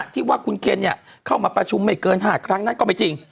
ที่ว่าคุณเคนเข้ามาประชุมไม่เกิน๕ครั้งนั้นก็ไม่จริง